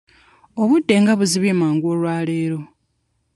Obudde nga buzibye mangu olwaleero?